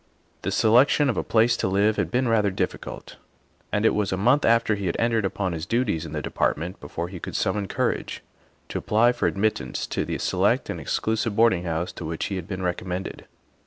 The selection of a place to live had been rather diffi cult, and it was a month after he had entered upon his duties in the Department before he could summon cour age to apply for admittance to the select and exclusive boarding house to which he had been recommended.